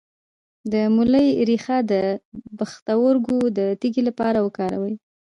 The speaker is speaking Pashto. د مولی ریښه د پښتورګو د تیږې لپاره وکاروئ